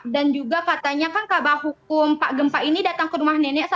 dan juga katanya kan kabar hukum pak gempa ini datang ke rumah nenek saya